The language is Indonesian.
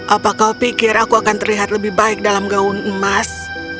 apa kau pikir aku akan terlihat lebih baik dalam gaun emas